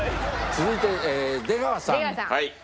続いて出川さん。